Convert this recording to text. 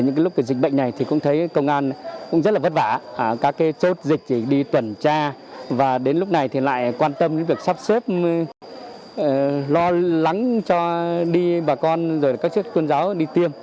những lúc dịch bệnh này cũng thấy công an rất vất vả các chốt dịch đi tuần tra và đến lúc này lại quan tâm việc sắp xếp lo lắng cho đi bà con các chức tôn giáo đi tiêm